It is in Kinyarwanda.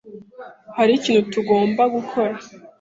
Hariho ikintu tugomba gukora.